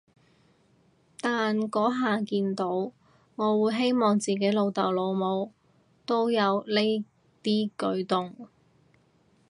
但嗰下見到，我會希望自己老豆老母都有呢啲舉動